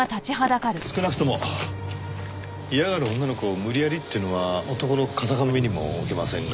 少なくとも嫌がる女の子を無理やりっていうのは男の風上にも置けませんが。